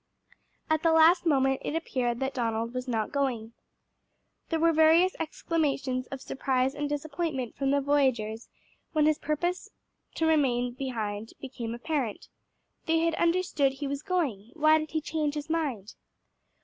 At the last moment it appeared that Donald was not going. There were various exclamations of surprise and disappointment from the voyagers when his purpose to remain behind became apparent, "They had understood he was going why did he change his mind?"